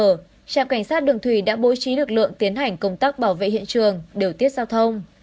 trước cảnh sát đường thủy đã bố trí lực lượng tiến hành công tác bảo vệ hiện trường điều tiết giao thông